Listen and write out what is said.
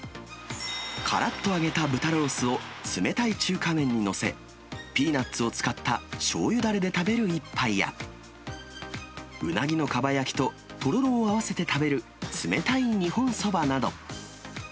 からっと揚げた豚ロースを冷たい中華麺に載せ、ピーナッツを使ったしょうゆだれで食べる一杯や、うなぎのかば焼きととろろを合わせて食べる冷たい日本そばなど。